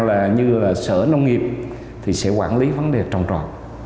và như là sở nông nghiệp thì sẽ quản lý vấn đề tròn tròn